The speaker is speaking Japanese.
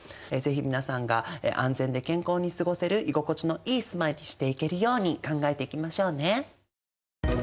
是非皆さんが安全で健康に過ごせる居心地のいい住まいにしていけるように考えていきましょうね。